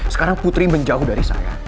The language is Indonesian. sekarang putri menjauh dari saya